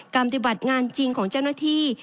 ปฏิบัติงานจริงของเจ้าหน้าที่